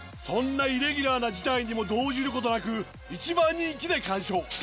そんなイレギュラーな事態にも動じることなく１番人気で完勝。